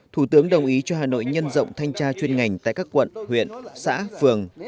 thủ tướng đồng ý cho hà nội nhân rộng thanh tra chuyên ngành tại các quận huyện xã phường